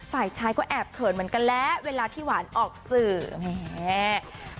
ฝ่ายชายก็แอบเขินเหมือนกันแล้วเวลาที่หวานออกสื่อแหม